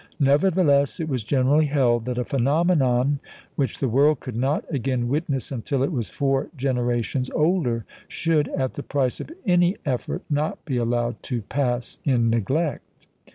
Nevertheless, it was generally held that a phenomenon which the world could not again witness until it was four generations older should, at the price of any effort, not be allowed to pass in neglect.